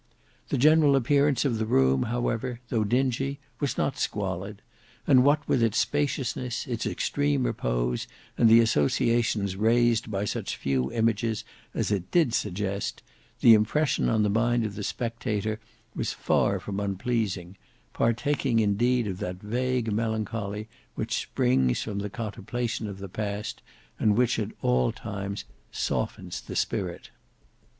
The general appearance of the room however though dingy, was not squalid: and what with its spaciousness, its extreme repose, and the associations raised by such few images as it did suggest, the impression on the mind of the spectator was far from unpleasing, partaking indeed of that vague melancholy which springs from the contemplation of the past, and which at all times softens the spirit.